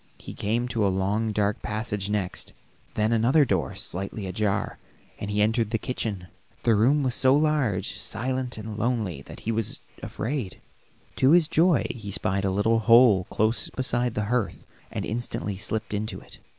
He came to a long dark passage next, then another door slightly ajar, and he entered the kitchen. The room was so large, silent and lonely that he was afraid; to his joy, he spied a little hole close beside the hearth and instantly slipped into it.